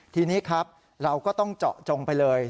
ทีนี้ครับเราก็ต้องเจาะจงไปเลย